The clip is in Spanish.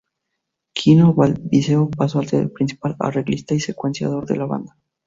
Gino Valdivieso pasó a ser el principal arreglista y secuenciador de la banda.